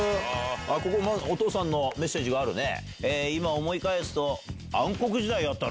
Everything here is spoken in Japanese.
ここお父さんのメッセージがあるね。